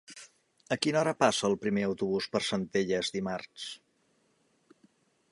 A quina hora passa el primer autobús per Centelles dimarts?